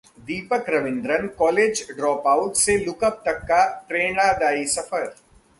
दीपक Ravindran: college dropout से 'lookup' तक का प्रेरणादायी सफर